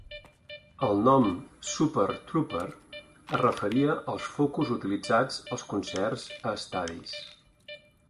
El nom "Super Trouper" es referia als focus utilitzats als concerts a estadis.